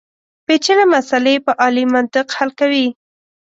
پېچلې مسلې په عالي منطق حل کولې.